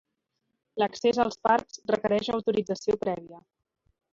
L'accés als parcs requereix autorització prèvia.